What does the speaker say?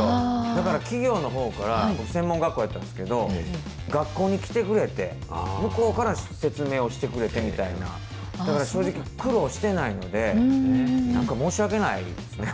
だから企業のほうから、専門学校やったんですけど、学校に来てくれて、向こうから説明をしてくれてみたいな、だから正直、苦労してないので、なんか申し訳ないですね。